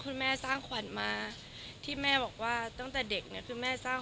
คุณแม่สร้างขวัญมาที่แม่บอกว่าตั้งแต่เด็กเนี่ยคือแม่สร้าง